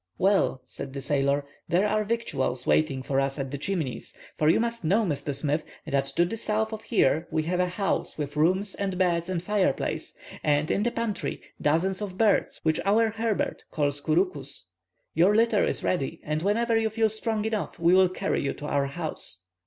"Well," said the sailor, "there are victuals waiting for us at the Chimneys, for you must know, Mr. Smith, that to the south of here we have a house with rooms and beds and fire place, and in the pantry dozens of birds which our Herbert calls couroucous. Your litter is ready, and whenever you feel strong enough we will carry you to our house."